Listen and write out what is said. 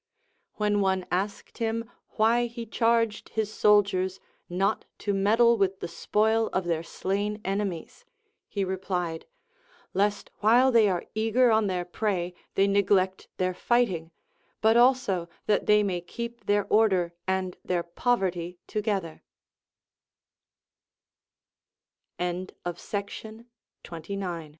AVhen one asked him why he charged his soldiers not to meddle with the spoil of their slain enemies, he replied, Lest while they are eager on their prey they neglect their fighting, but also that they may keep their order and their po